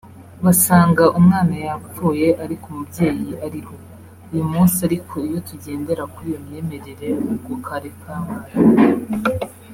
basanga umwana yapfuye ariko umubyeyi ariho uyu munsi ariko iyo tugendera kuri iyo myemerere ubwo kari kabaye